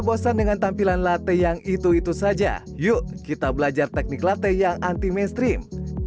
bosan dengan tampilan latte yang itu itu saja yuk kita belajar teknik latte yang anti mainstream